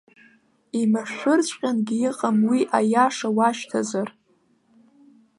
Имашәырҵәҟьангьы иҟам уи, аиаша уашьҭазар.